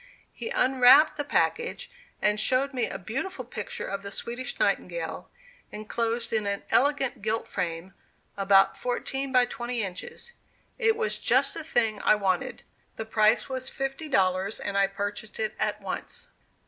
He unwrapped the package, and showed me a beautiful picture of the Swedish Nightingale, inclosed in an elegant gilt frame, about fourteen by twenty inches. It was just the thing I wanted; the price was fifty dollars, and I purchased it at once.